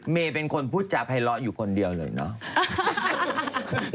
เมฆเป็นคนพูดจากไภร่ออยู่คนเดียวเลยเนอะ